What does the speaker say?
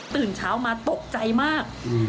ตื่นเช้ามาตกใจมาก